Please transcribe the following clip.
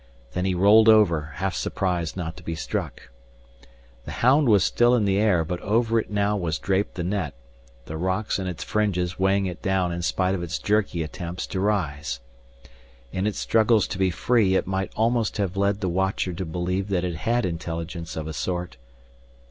Then he rolled over, half surprised not to be struck. The hound was still in the air but over it now was draped the net, the rocks in its fringes weighing it down in spite of its jerky attempts to rise. In its struggles to be free, it might almost have led the watcher to believe that it had intelligence of a sort.